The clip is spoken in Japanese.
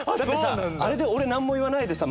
あれで俺何も言わないでさ